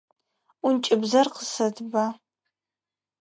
Ӏункӏыбзэр къысэтба.